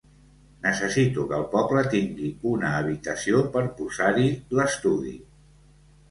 Necessito que el poble tingui una habitació per posar-hi l'estudi.